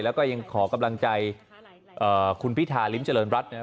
แล้วก็ยังขอกำลังใจคุณพิธาริมเจริญรัฐนะครับ